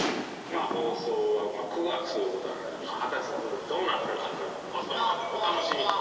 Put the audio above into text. まあ放送は９月という事なので果たしてその時どうなってるかという放送日までのお楽しみという事で。